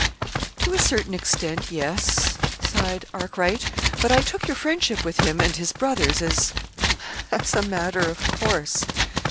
"To a certain extent, yes," sighed Arkwright. "But I took your friendship with him and his brothers as as a matter of course.